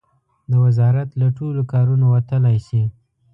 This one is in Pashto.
د وزارت له ټولو کارونو وتلای شي.